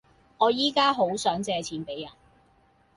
我依家好想借錢俾人